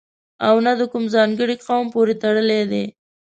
او نه د کوم ځانګړي قوم پورې تړلی دی.